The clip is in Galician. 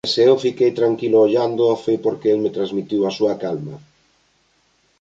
E se eu fiquei tranquilo ollándoo foi porque el me transmitiu a súa calma.